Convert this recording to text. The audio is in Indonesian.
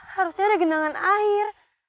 harusnya ada gendangan air